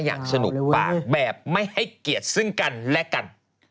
อย่างสนุกปากแบบไม่ให้เกียรติซึ่งกันและกัน